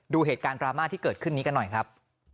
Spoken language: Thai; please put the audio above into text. ดูเหตุการณ์ดราม่าที่เกิดขึ้นนี้กันหน่อยครับ